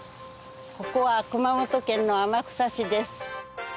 ここは熊本県の天草市です。